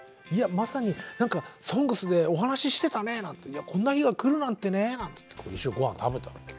まさに何か「ＳＯＮＧＳ」でお話ししてたねなんていやこんな日が来るなんてねなんて一緒にごはん食べたわけよ。